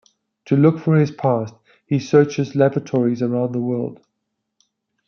To look for his past, he searches lavatories around the world.